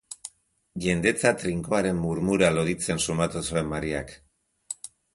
Jendetza trinkoaren murmura loditzen sumatu zuen Mariak.